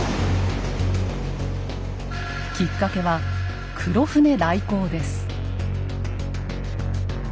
きっかけは黒船来航です。